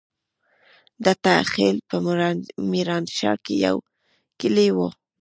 دته خېل په ميرانشاه کې يو کلی وو.